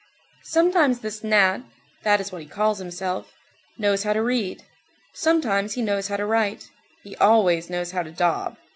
Sometimes this gnat—that is what he calls himself—knows how to read; sometimes he knows how to write; he always knows how to daub.